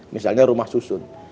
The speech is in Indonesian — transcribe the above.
misalnya rumah susun